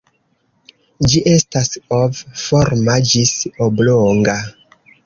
Ĝi estas ov-forma ĝis oblonga.